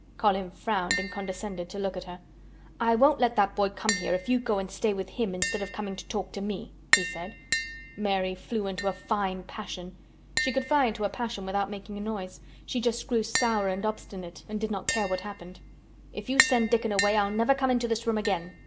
Colin frowned and condescended to look at her. "I won't let that boy come here if you go and stay with him instead of coming to talk to me," he said. Mary flew into a fine passion. She could fly into a passion without making a noise. She just grew sour and obstinate and did not care what happened. "If you send Dickon away, I'll never come into this room again!"